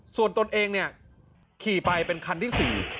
ส่วนตนเองเนี่ยขี่ไปเป็นคันที่๔